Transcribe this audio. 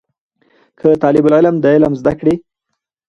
که طالب العلم د علم د زده کړې